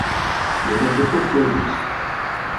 Yerra-d akk afwad-is.